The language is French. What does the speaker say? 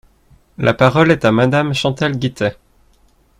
La parole est à Madame Chantal Guittet.